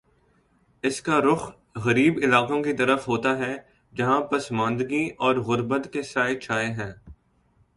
اس کا رخ غریب علاقوں کی طرف ہوتا ہے، جہاں پسماندگی اور غربت کے سائے چھائے ہیں۔